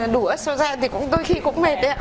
đủ ớt sô gen thì đôi khi cũng mệt đấy ạ